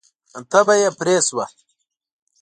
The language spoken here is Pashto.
تبه یې پرې شوه.